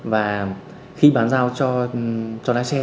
và khi bàn giao cho lái xe